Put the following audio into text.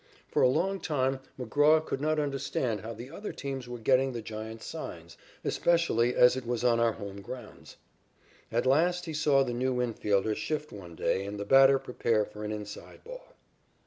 For a long time McGraw could not understand how the other teams were getting the Giants' signs, especially as it was on our home grounds. At last he saw the new infielder shift one day and the batter prepare for an inside ball.